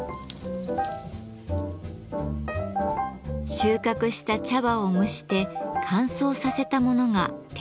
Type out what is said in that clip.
収穫した茶葉を蒸して乾燥させたものが「碾茶」です。